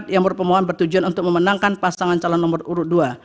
yang berpemohan bertujuan untuk memenangkan pasangan calon nomor urut dua